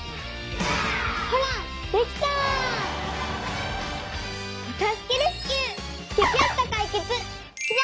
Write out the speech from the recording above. ほらできた！